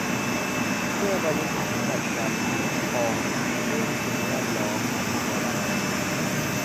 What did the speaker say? เพื่อบริหารจัดการน้ำในคลองทั้งเรื่องสิ่งแวดล้อมและการระบายน้ำ